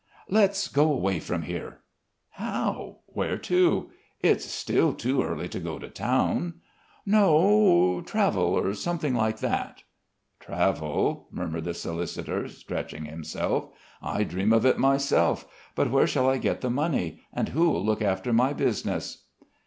"Let's go away from here!" "How where to? It's still too early to go to town." "No. Travel or something like that." "Travel," murmured the solicitor, stretching himself. "I dream of it myself, but where shall I get the money, and who'll look after my business."